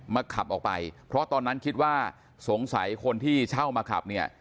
ขับออกไปเพราะตอนนั้นคิดว่าสงสัยคนที่เช่ามาขับเนี่ย